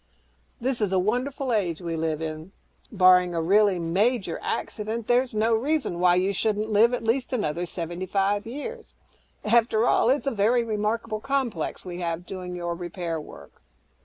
This is a wonderful age we live in. Barring a really major accident, there's no reason why you shouldn't live at least another seventy five years. After all, that's a very remarkable viral complex we have doing your 'repair' work."